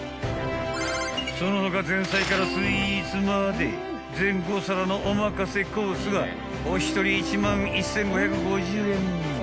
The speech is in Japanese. ［その他前菜からスイーツまで全５皿のお任せコースがお一人１万１，５５０円］